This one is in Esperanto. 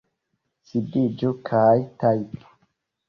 Sidiĝu kaj tajpu!